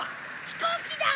飛行機だ！